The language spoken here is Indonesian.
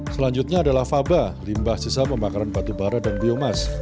selanjutnya adalah faba limbah sisa pemakaran batu bara dan biomass